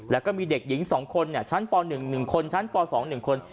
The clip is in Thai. แล้วก็มีเด็กหญิง๒คนชั้นป๑๑คนชั้นป๒๑คน